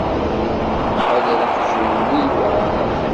Ḥader aqjun-nni yewɛer.